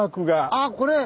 あっこれ！